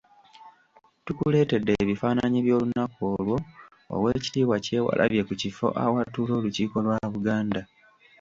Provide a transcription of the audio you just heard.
Tukuleetedde ebifaananyi by'olunaku olwo oweekitiibwa Kyewalabye ku kifo awatuula olukiiko lwa Buganda.